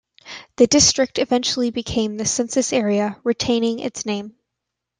The district eventually became the census area, retaining its name.